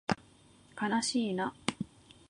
かなしいな